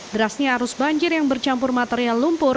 derasnya arus banjir yang bercampur material lumpur